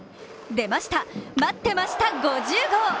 出ました、待ってました５０号！